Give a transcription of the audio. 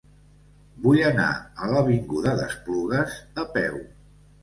Vull anar a l'avinguda d'Esplugues a peu.